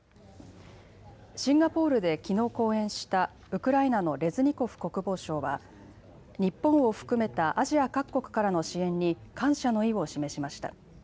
シンガポールできのう講演したウクライナのレズニコフ国防相は日本を含めたアジア各国からの支援に感謝の意を示しました。